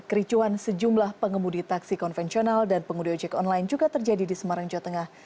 kericuan sejumlah pengemudi taksi konvensional dan pengemudi ojek online juga terjadi di semarang jawa tengah